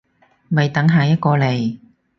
咪等下一個嚟